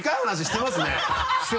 してます。